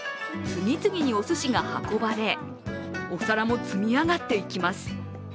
次々におすしが運ばれ、お皿も積み上がっていきます。